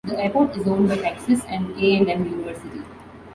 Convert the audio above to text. The airport is owned by Texas A and M University.